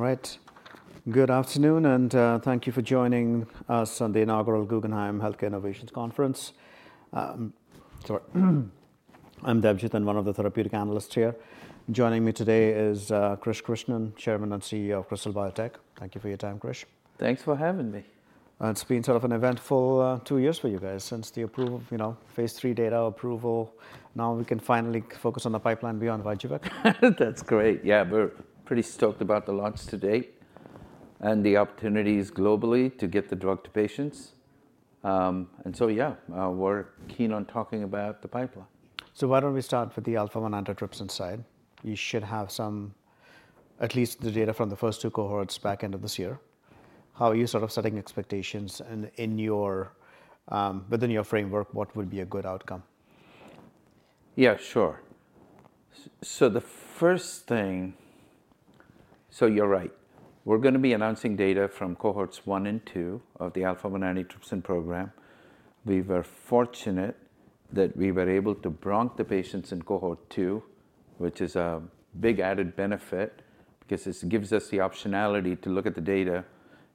All right. Good afternoon, and thank you for joining us on the inaugural Guggenheim Healthcare Innovations Conference. Sorry. I'm Debjit, and one of the therapeutic analysts here. Joining me today is Krish Krishnan, Chairman and CEO of Krystal Biotech. Thank you for your time, Krish. Thanks for having me. It's been sort of an eventful two years for you guys since the approval, you know, phase III data approval. Now we can finally focus on the pipeline beyond VYJUVEK. That's great. Yeah, we're pretty stoked about the launch today and the opportunities globally to get the drug to patients. And so, yeah, we're keen on talking about the pipeline. So why don't we start with the Alpha-1 antitrypsin side? You should have some, at least the data from the first two cohorts back end of this year. How are you sort of setting expectations? And within your framework, what would be a good outcome? Yeah, sure. So the first thing, so you're right. We're going to be announcing data from cohorts one and two of the Alpha-1 antitrypsin program. We were fortunate that we were able to bronch the patients in cohort two, which is a big added benefit because this gives us the optionality to look at the data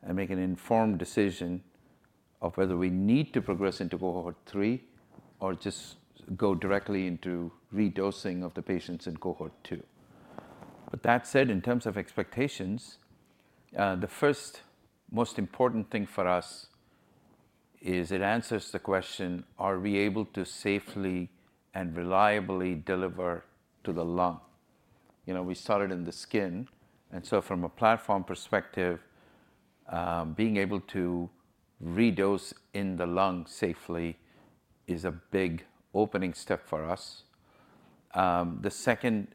and make an informed decision of whether we need to progress into cohort three or just go directly into redosing of the patients in cohort two. But that said, in terms of expectations, the first most important thing for us is it answers the question, are we able to safely and reliably deliver to the lung? You know, we started in the skin, and so from a platform perspective, being able to redose in the lung safely is a big opening step for us. The second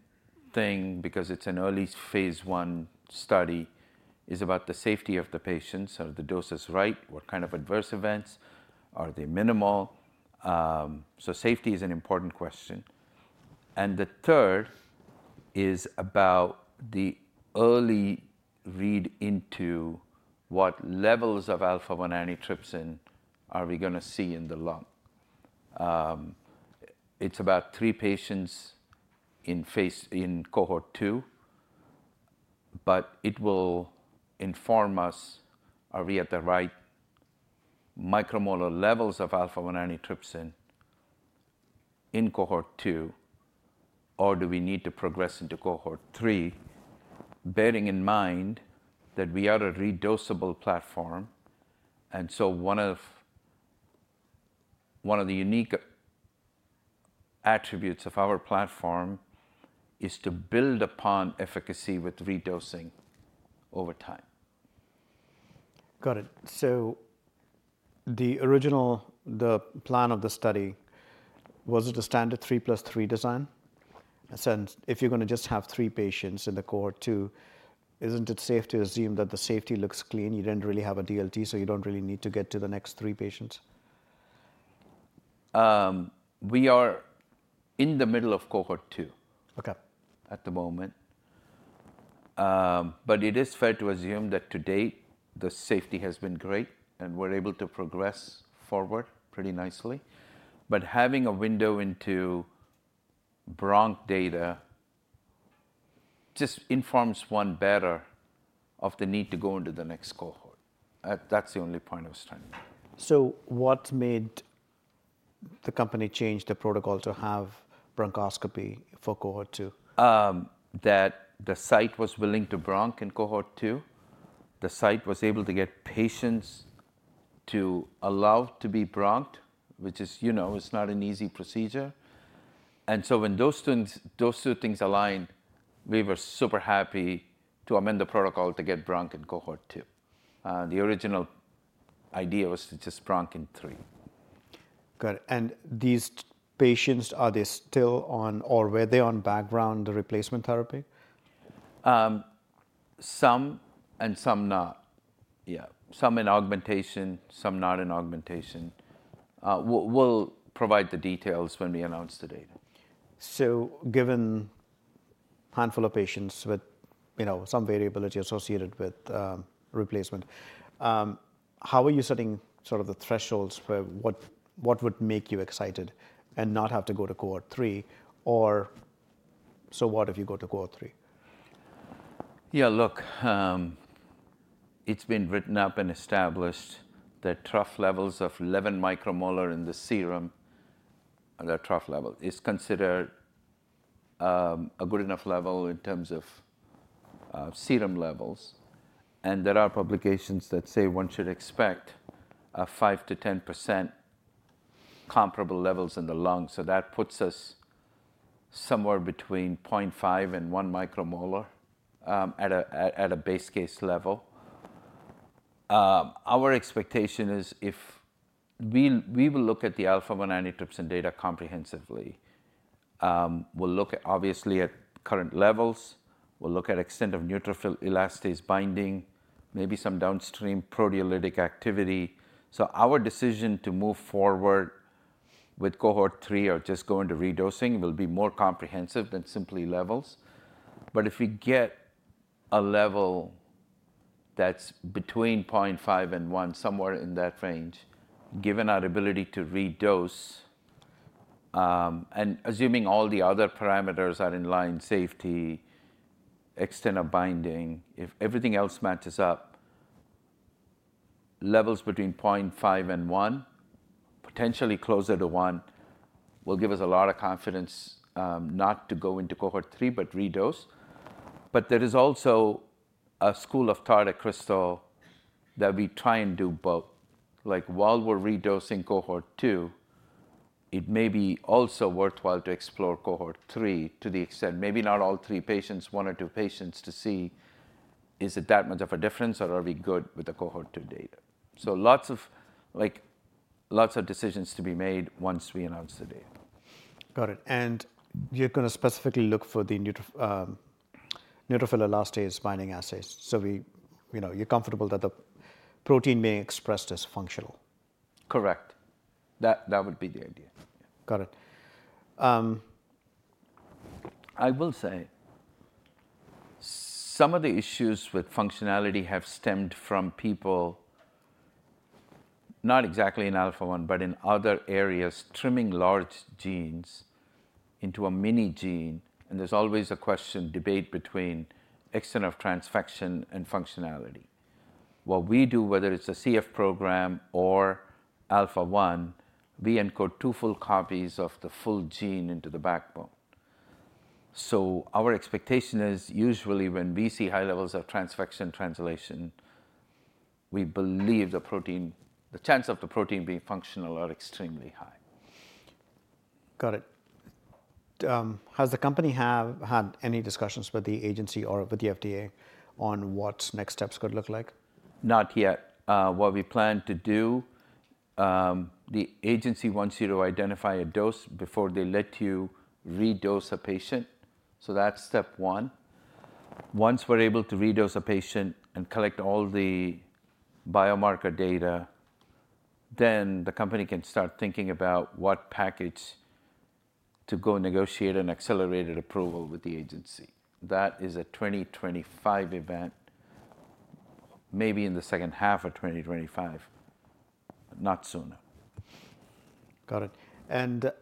thing, because it's an early phase I study, is about the safety of the patients. Are the doses right? What kind of adverse events? Are they minimal, so safety is an important question, and the third is about the early read into what levels of alpha-1 antitrypsin are we going to see in the lung? It's about three patients in cohort two, but it will inform us, are we at the right micromolar levels of alpha-1 antitrypsin in cohort two, or do we need to progress into cohort three, bearing in mind that we are a redosable platform, and so one of the unique attributes of our platform is to build upon efficacy with redosing over time. Got it. So the original plan of the study, was it a standard three plus three design? If you're going to just have three patients in the cohort two, isn't it safe to assume that the safety looks clean? You didn't really have a DLT, so you don't really need to get to the next three patients? We are in the middle of cohort two at the moment. But it is fair to assume that to date, the safety has been great and we're able to progress forward pretty nicely. But having a window into bronch data just informs one better of the need to go into the next cohort. That's the only point I was trying to make. What made the company change the protocol to have bronchoscopy for cohort two? That the site was willing to bronch in cohort two. The site was able to get patients to allow to be bronched, which is, you know, it's not an easy procedure, and so when those two things aligned, we were super happy to amend the protocol to get bronch in cohort two. The original idea was to just bronch in three. Got it. These patients, are they still on, or were they on background replacement therapy? Some and some not. Yeah, some in augmentation, some not in augmentation. We'll provide the details when we announce the data. So given a handful of patients with, you know, some variability associated with replacement, how are you setting sort of the thresholds for what would make you excited and not have to go to cohort three? Or so what if you go to cohort three? Yeah, look, it's been written up and established that trough levels of 11 micromolar in the serum, the trough level, is considered a good enough level in terms of serum levels. And there are publications that say one should expect a 5%-10% comparable levels in the lung. So that puts us somewhere between 0.5 and 1 micromolar at a base case level. Our expectation is if we will look at the alpha-1 antitrypsin data comprehensively, we'll look obviously at current levels. We'll look at extent of neutrophil elastase binding, maybe some downstream proteolytic activity. So our decision to move forward with cohort three or just go into redosing will be more comprehensive than simply levels. But if we get a level that's between 0.5 and one, somewhere in that range, given our ability to redose, and assuming all the other parameters are in line, safety, extent of binding, if everything else matches up, levels between 0.5 and one, potentially closer to one, will give us a lot of confidence not to go into cohort three, but redose. But there is also a school of thought at Krystal that we try and do both. Like while we're redosing cohort two, it may be also worthwhile to explore cohort three to the extent, maybe not all three patients, one or two patients, to see is it that much of a difference or are we good with the cohort two data? So lots of decisions to be made once we announce the data. Got it. And you're going to specifically look for the neutrophil elastase binding assays. So you're comfortable that the protein being expressed as functional? Correct. That would be the idea. Got it. I will say some of the issues with functionality have stemmed from people, not exactly in alpha-1, but in other areas, trimming large genes into a mini gene. There's always a question debate between extent of transfection and functionality. What we do, whether it's a CF program or alpha-1, we encode two full copies of the full gene into the backbone. Our expectation is usually when we see high levels of transfection translation, we believe the protein, the chance of the protein being functional are extremely high. Got it. Has the company had any discussions with the agency or with the FDA on what next steps could look like? Not yet. What we plan to do, the agency wants you to identify a dose before they let you redose a patient. So that's step one. Once we're able to redose a patient and collect all the biomarker data, then the company can start thinking about what package to go negotiate an accelerated approval with the agency. That is a 2025 event, maybe in the second half of 2025, not sooner. Got it. And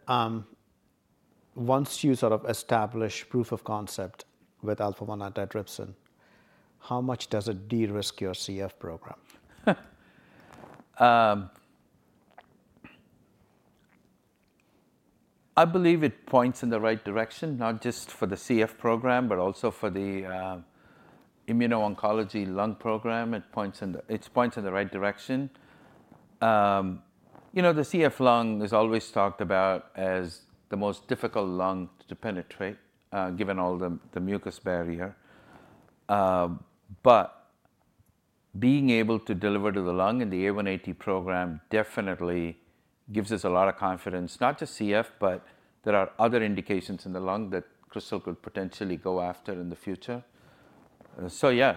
once you sort of establish proof of concept with alpha-1 antitrypsin, how much does it de-risk your CF program? I believe it points in the right direction, not just for the CF program, but also for the immuno-oncology lung program. It points in the right direction. You know, the CF lung is always talked about as the most difficult lung to penetrate, given all the mucus barrier. But being able to deliver to the lung in the AAT program definitely gives us a lot of confidence, not just CF, but there are other indications in the lung that Krystal could potentially go after in the future. So yeah,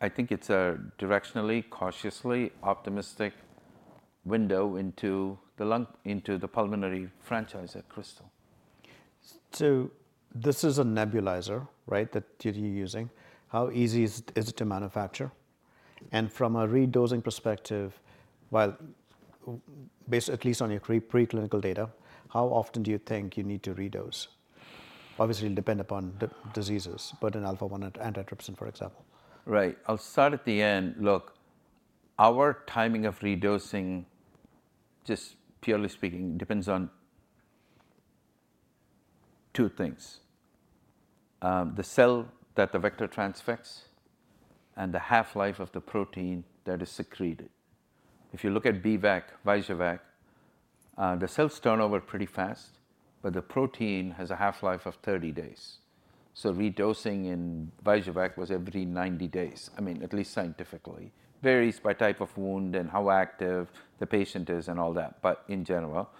I think it's a directionally, cautiously optimistic window into the pulmonary franchise at Krystal. So this is a nebulizer, right, that you're using. How easy is it to manufacture? And from a redosing perspective, at least on your preclinical data, how often do you think you need to redose? Obviously, it'll depend upon diseases, but in alpha-1 antitrypsin, for example. Right. I'll start at the end. Look, our timing of redosing, just purely speaking, depends on two things: the cell that the vector transfects and the half-life of the protein that is secreted. If you look at B-VEC, VYJUVEK, the cells turn over pretty fast, but the protein has a half-life of 30 days. So redosing in VYJUVEK was every 90 days. I mean, at least scientifically. Varies by type of wound and how active the patient is and all that, but in general.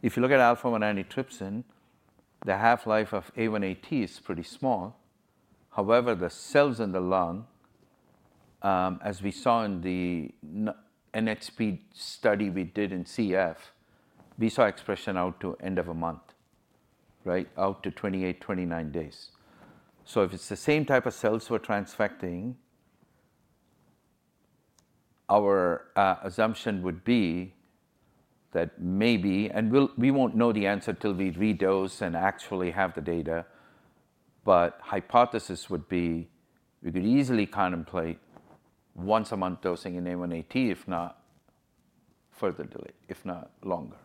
If you look at alpha-1 antitrypsin, the half-life of A1AT is pretty small. However, the cells in the lung, as we saw in the NHP study we did in CF, we saw expression out to end of a month, right, out to 28 days, 29 days. If it's the same type of cells we're transfecting, our assumption would be that maybe, and we won't know the answer till we redose and actually have the data, but hypothesis would be we could easily contemplate once a month dosing in A1AT, if not further delay, if not longer.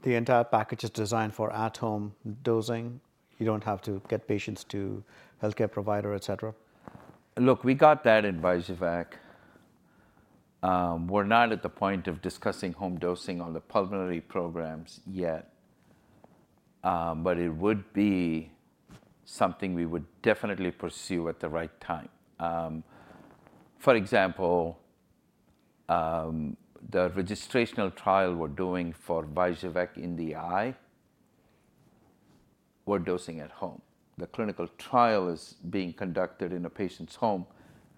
The entire package is designed for at-home dosing? You don't have to get patients to healthcare provider, et cetera? Look, we got that in VYJUVEK. We're not at the point of discussing home dosing on the pulmonary programs yet, but it would be something we would definitely pursue at the right time. For example, the registrational trial we're doing for VYJUVEK in the eye, we're dosing at home. The clinical trial is being conducted in a patient's home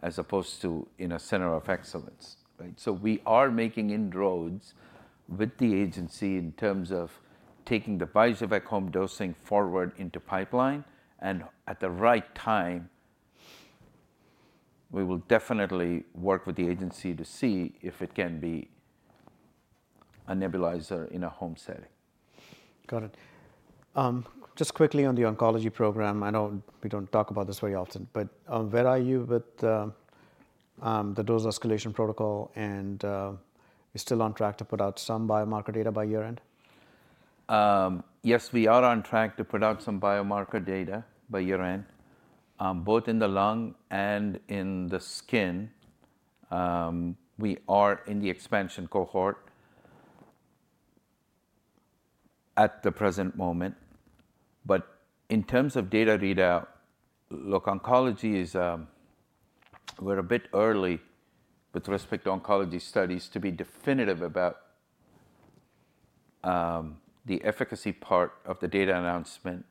as opposed to in a center of excellence, right? So we are making inroads with the agency in terms of taking the VYJUVEK home dosing forward into pipeline, and at the right time, we will definitely work with the agency to see if it can be a nebulizer in a home setting. Got it. Just quickly on the oncology program, I know we don't talk about this very often, but where are you with the dose escalation protocol? And are you still on track to put out some biomarker data by year end? Yes, we are on track to put out some biomarker data by year end, both in the lung and in the skin. We are in the expansion cohort at the present moment. But in terms of data readout, look, oncology is, we're a bit early with respect to oncology studies to be definitive about the efficacy part of the data announcement.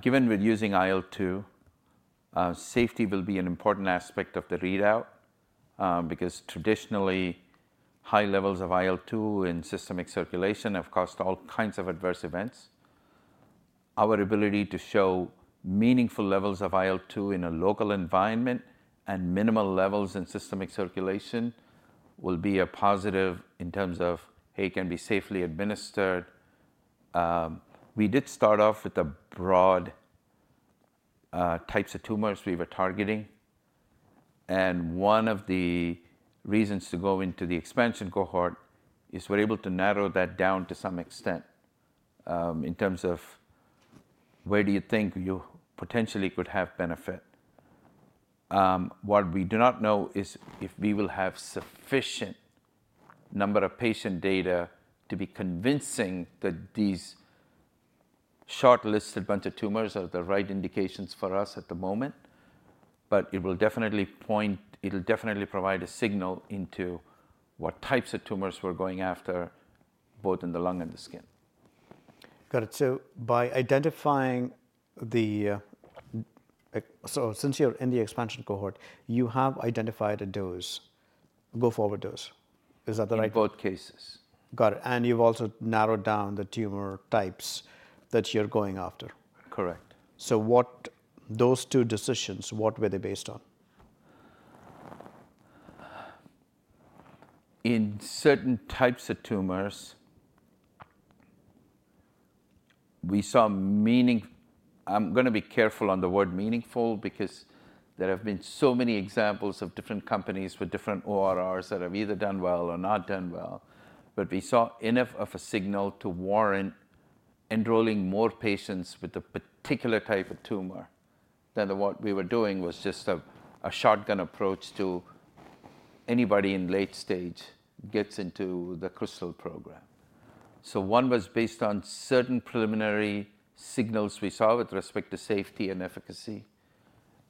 Given we're using IL-2, safety will be an important aspect of the readout because traditionally high levels of IL-2 in systemic circulation have caused all kinds of adverse events. Our ability to show meaningful levels of IL-2 in a local environment and minimal levels in systemic circulation will be a positive in terms of, hey, it can be safely administered. We did start off with the broad types of tumors we were targeting. And one of the reasons to go into the expansion cohort is we're able to narrow that down to some extent in terms of where do you think you potentially could have benefit. What we do not know is if we will have sufficient number of patient data to be convincing that these shortlisted bunch of tumors are the right indications for us at the moment. But it will definitely point, it'll definitely provide a signal into what types of tumors we're going after, both in the lung and the skin. Got it. So since you're in the expansion cohort, you have identified a dose, go forward dose. Is that right? In both cases. Got it. And you've also narrowed down the tumor types that you're going after. Correct. So, what those two decisions? What were they based on? In certain types of tumors, we saw meaning, I'm going to be careful on the word meaningful because there have been so many examples of different companies with different ORRs that have either done well or not done well, but we saw enough of a signal to warrant enrolling more patients with a particular type of tumor than what we were doing was just a shotgun approach to anybody in late stage gets into the Krystal program, so one was based on certain preliminary signals we saw with respect to safety and efficacy,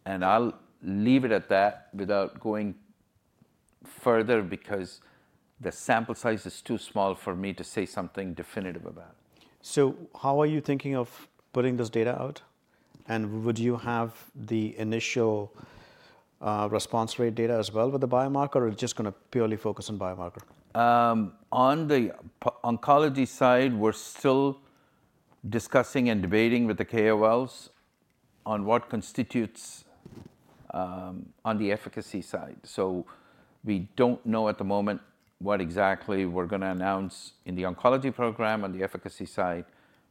and I'll leave it at that without going further because the sample size is too small for me to say something definitive about. So how are you thinking of putting this data out? And would you have the initial response rate data as well with the biomarker or are you just going to purely focus on biomarker? On the oncology side, we're still discussing and debating with the KOLs on what constitutes on the efficacy side. So we don't know at the moment what exactly we're going to announce in the oncology program on the efficacy side,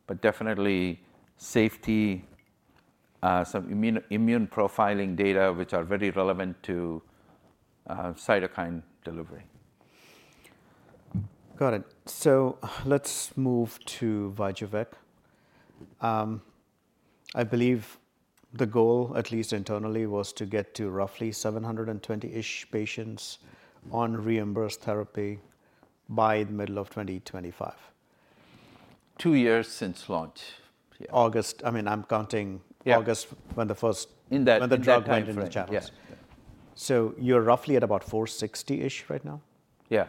but definitely safety, some immune profiling data, which are very relevant to cytokine delivery. Got it. So let's move to VYJUVEK. I believe the goal, at least internally, was to get to roughly 720-ish patients on reimbursed therapy by the middle of 2025. Two years since launch. August, I mean, I'm counting August when the drug went into the channels. Yes. So you're roughly at about 460-ish right now? Yeah.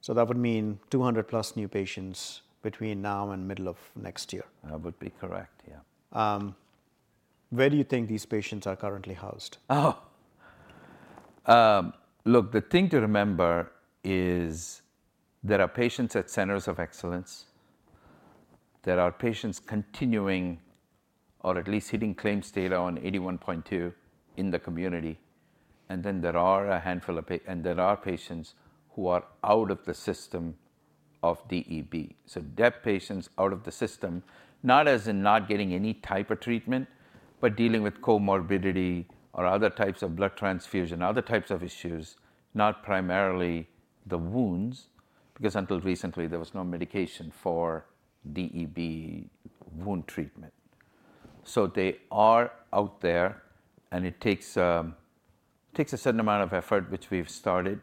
So that would mean 200 plus new patients between now and middle of next year. That would be correct, yeah. Where do you think these patients are currently housed? Look, the thing to remember is there are patients at centers of excellence. There are patients continuing or at least hitting claims data on 81.2 in the community. And then there are a handful of patients who are out of the system for DEB. So DEB patients out of the system, not as in not getting any type of treatment, but dealing with comorbidity or other types of blood transfusion, other types of issues, not primarily the wounds, because until recently there was no medication for DEB wound treatment. So they are out there and it takes a certain amount of effort, which we've started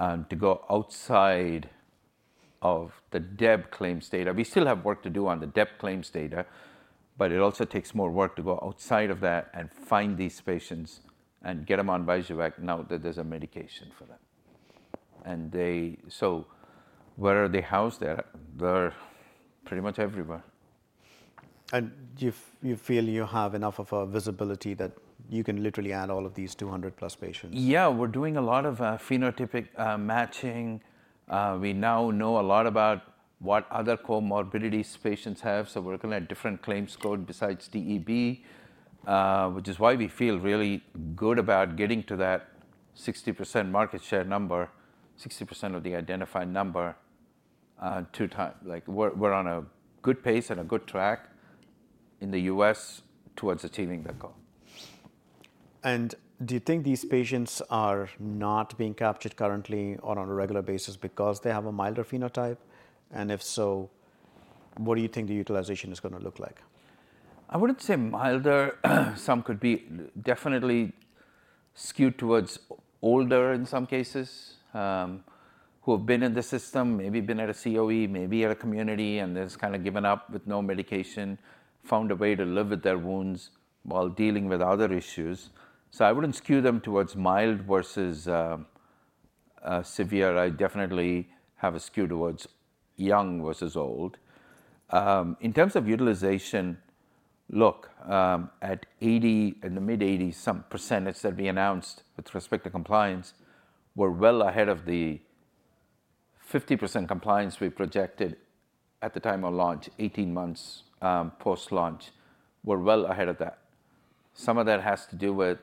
to go outside of the DEB claims data. We still have work to do on the DEB claims data, but it also takes more work to go outside of that and find these patients and get them on VYJUVEK now that there's a medication for them. And so where are they housed at? They're pretty much everywhere. You feel you have enough of a visibility that you can literally add all of these 200 plus patients? Yeah, we're doing a lot of phenotypic matching. We now know a lot about what other comorbidities patients have. So we're looking at different claims codes besides DEB, which is why we feel really good about getting to that 60% market share number, 60% of the identified number two times. Like we're on a good pace and a good track in the U.S. towards achieving that goal. Do you think these patients are not being captured currently or on a regular basis because they have a milder phenotype? And if so, what do you think the utilization is going to look like? I wouldn't say milder. Some could be definitely skewed towards older in some cases who have been in the system, maybe been at a COE, maybe at a community, and they've kind of given up with no medication, found a way to live with their wounds while dealing with other issues. So I wouldn't skew them towards mild versus severe. I definitely have a skew towards young versus old. In terms of utilization, look, at 80%, in the mid-80s, some percentage that we announced with respect to compliance were well ahead of the 50% compliance we projected at the time of launch, 18 months post-launch. We're well ahead of that. Some of that has to do with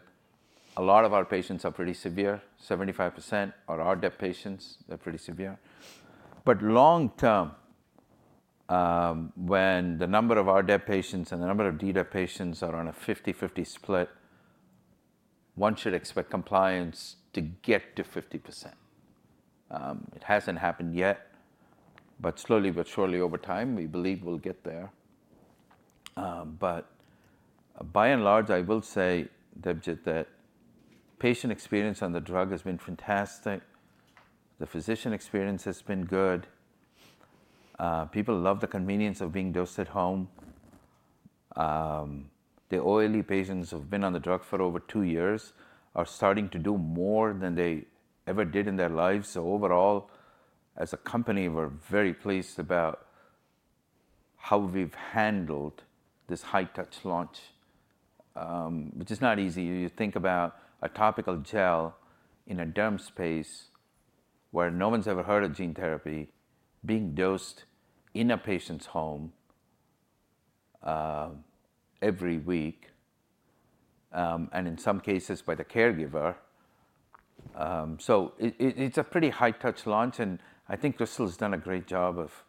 a lot of our patients are pretty severe, 75% are our DEB patients. They're pretty severe. But long term, when the number of our DEB patients and the number of DEB patients are on a 50/50 split, one should expect compliance to get to 50%. It hasn't happened yet, but slowly but surely over time, we believe we'll get there. But by and large, I will say that patient experience on the drug has been fantastic. The physician experience has been good. People love the convenience of being dosed at home. The OLE patients who have been on the drug for over two years are starting to do more than they ever did in their lives. So overall, as a company, we're very pleased about how we've handled this high-touch launch, which is not easy. You think about a topical gel in a derm space where no one's ever heard of gene therapy being dosed in a patient's home every week, and in some cases by the caregiver. So it's a pretty high-touch launch. And I think Krystal has done a great job of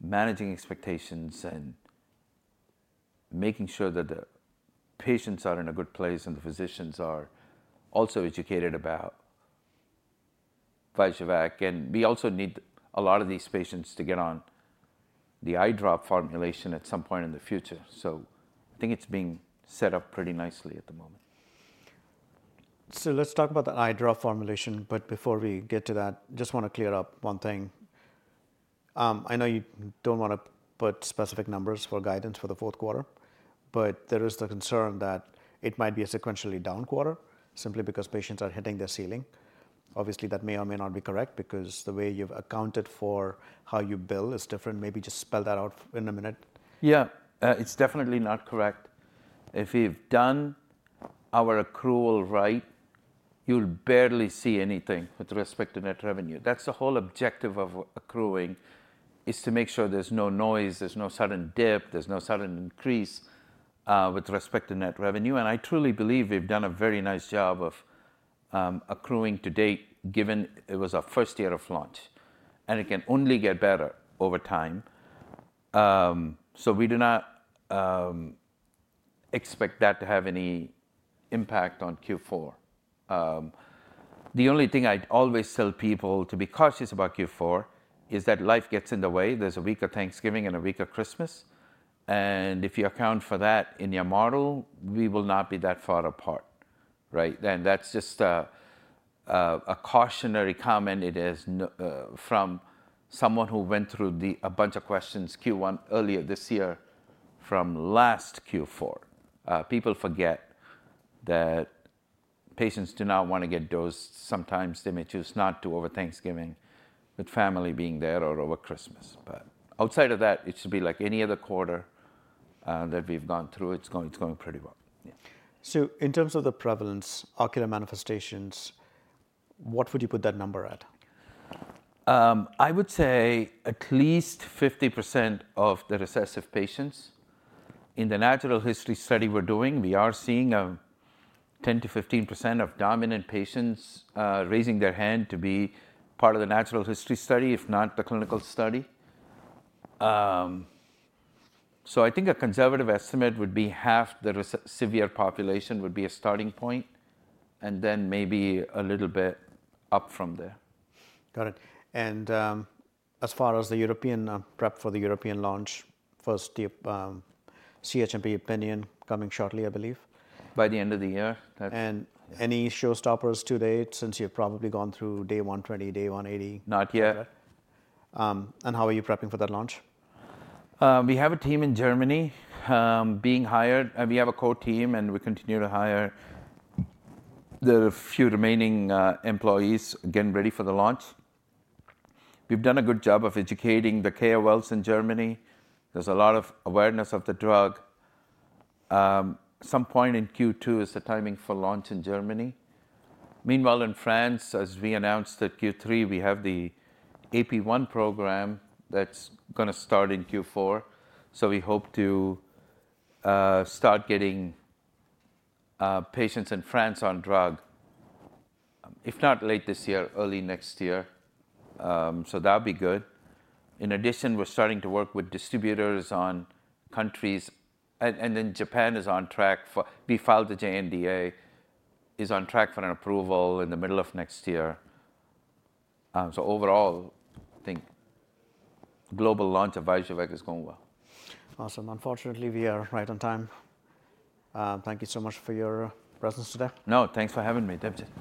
managing expectations and making sure that the patients are in a good place and the physicians are also educated about VYJUVEK. And we also need a lot of these patients to get on the eye drop formulation at some point in the future. So I think it's being set up pretty nicely at the moment. So let's talk about the eye drop formulation. But before we get to that, just want to clear up one thing. I know you don't want to put specific numbers for guidance for the fourth quarter, but there is the concern that it might be a sequentially down quarter simply because patients are hitting their ceiling. Obviously, that may or may not be correct because the way you've accounted for how you bill is different. Maybe just spell that out in a minute. Yeah, it's definitely not correct. If we've done our accrual right, you'll barely see anything with respect to net revenue. That's the whole objective of accruing, is to make sure there's no noise, there's no sudden dip, there's no sudden increase with respect to net revenue. And I truly believe we've done a very nice job of accruing to date, given it was our first year of launch. And it can only get better over time. So we do not expect that to have any impact on Q4. The only thing I'd always tell people to be cautious about Q4 is that life gets in the way. There's a week of Thanksgiving and a week of Christmas. And if you account for that in your model, we will not be that far apart, right? And that's just a cautionary comment. It is from someone who went through a bunch of questions Q1 earlier this year from last Q4. People forget that patients do not want to get dosed. Sometimes they may choose not to over Thanksgiving with family being there or over Christmas, but outside of that, it should be like any other quarter that we've gone through. It's going pretty well. In terms of the prevalence, ocular manifestations, what would you put that number at? I would say at least 50% of the recessive patients. In the natural history study we're doing, we are seeing 10%-15% of dominant patients raising their hand to be part of the natural history study, if not the clinical study, so I think a conservative estimate would be half the severe population would be a starting point, and then maybe a little bit up from there. Got it. And as far as the European prep for the European launch, first CHMP opinion coming shortly, I believe. By the end of the year. Any showstoppers to date since you've probably gone through day 120, day 180? Not yet. How are you prepping for that launch? We have a team in Germany being hired. We have a core team and we continue to hire the few remaining employees getting ready for the launch. We've done a good job of educating the KOLs in Germany. There's a lot of awareness of the drug. Some point in Q2 is the timing for launch in Germany. Meanwhile, in France, as we announced at Q3, we have the AP1 program that's going to start in Q4. So we hope to start getting patients in France on drug, if not late this year, early next year. So that'll be good. In addition, we're starting to work with distributors on countries. And then Japan is on track for, we filed the JNDA, is on track for an approval in the middle of next year. So overall, I think global launch of VYJUVEK is going well. Awesome. Unfortunately, we are right on time. Thank you so much for your presence today. No, thanks for having me. Debjit.